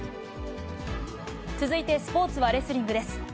続いてスポーツはレスリングです。